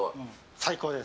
最高です！